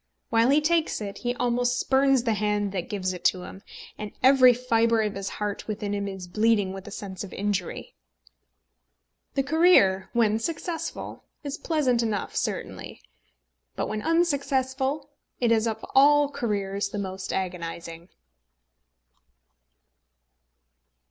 While he takes it he almost spurns the hand that gives it to him, and every fibre of his heart within him is bleeding with a sense of injury. The career, when successful, is pleasant enough certainly; but when unsuccessful, it is of all careers the most agonising.